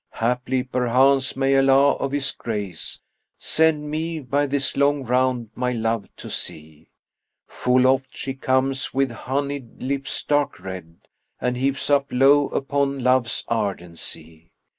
Haply, perchance, may Allah, of His grace, * Send me by this long round my love to see. Full oft[FN#60] she comes with honeyed lips dark red, * And heaps up lowe upon love's ardency.